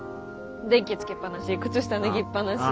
電気つけっぱなし靴下脱ぎっぱなし。